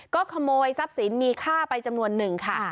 ก็ขโมยทรัพย์สินมีค่าไปจำนวนหนึ่งค่ะ